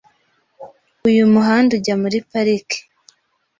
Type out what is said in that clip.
Uyu muhanda ujya muri parike .